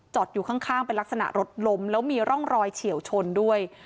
อยู่ข้างเป็นลักษณะรถล้มแล้วมีร่องรอยเฉียวชนด้วย